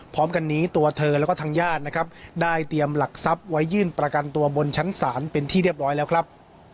พร้อมกันนี้ตัวเธอแล้วก็ทางญาตินะครับได้เตรียมหลักทรัพย์ไว้ยื่นประกันตัวบนชั้นศาลเป็นที่เรียบร้อยแล้วครับ